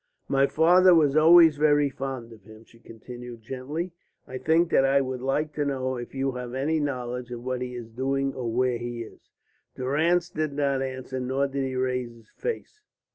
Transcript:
"My father was always very fond of him," she continued gently, "and I think that I would like to know if you have any knowledge of what he is doing or where he is." Durrance did not answer nor did he raise his face.